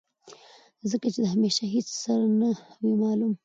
ځکه چې د همېشه هېڅ سر نۀ وي معلوم